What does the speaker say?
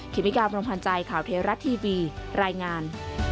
ครีมิการบรมพันธ์ใจข่าวเทวรัตน์ทีวีรายงาน